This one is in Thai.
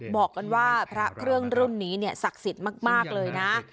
บอกกันว่าพระเครื่องรุ่นนี้ศักดิ์สิทธิ์มากเลยนะ